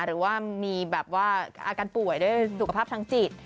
หรือว่ามีแบบว่าอาการป่วยด้วยสุขภาพทางจิต